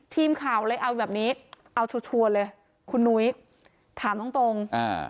ทีมข่าวเลยเอาแบบนี้เอาชัวร์ชัวร์เลยคุณนุ้ยถามตรงตรงอ่า